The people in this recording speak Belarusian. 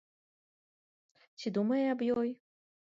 Ці думае аб ёй?